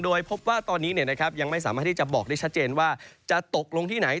โดยพบว่าตอนนี้ยังไม่สามารถที่จะบอกได้ชัดเจนว่าจะตกลงที่ไหน